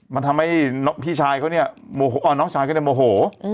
มันทำให้พี่ชายเขาเนี่ยโมโหอ้อน้องชายเขาเนี่ยโมโห